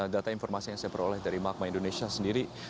data informasi yang saya peroleh dari magma indonesia sendiri